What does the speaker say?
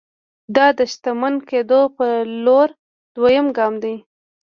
دا د شتمن کېدو پر لور دويم ګام دی.